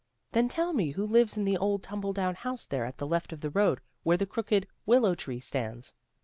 "Then tell me who lives in the old, tumble down house there at the left on the road, where the crooked willow tree stands?"